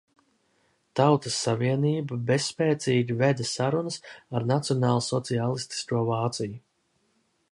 Tautas savienība bezspēcīgi veda sarunas ar nacionālsociālistisko Vāciju.